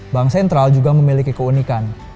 bank sentral juga memiliki keunikan